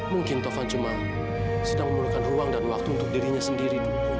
mungkin tovan cuma sedang memerlukan ruang dan waktu untuk dirinya sendiri